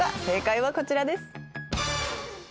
正解はこちらです。